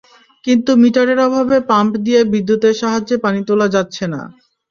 কিন্তু মিটারের অভাবে পাম্প দিয়ে বিদ্যুতের সাহায্যে পানি তোলা যাচ্ছে না।